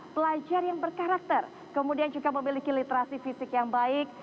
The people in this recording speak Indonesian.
pelajar yang berkarakter kemudian juga memiliki literasi fisik yang baik